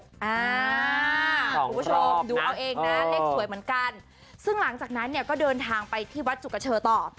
คุณผู้ชมดูเอาเองนะเลขสวยเหมือนกันซึ่งหลังจากนั้นเนี่ยก็เดินทางไปที่วัดจุกเชอต่อ